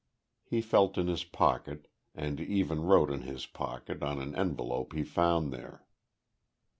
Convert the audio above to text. He felt in his pocket, and even wrote in his pocket, on an envelope he found there.